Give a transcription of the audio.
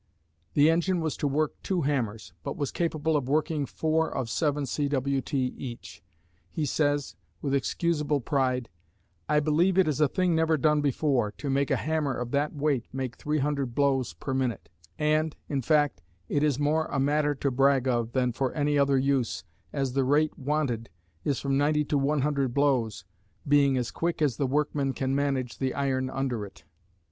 The engine was to work two hammers, but was capable of working four of 7 cwt. each. He says, with excusable pride, I believe it is a thing never done before, to make a hammer of that weight make 300 blows per minute; and, in fact, it is more a matter to brag of than for any other use, as the rate wanted is from 90 to 100 blows, being as quick as the workmen can manage the iron under it.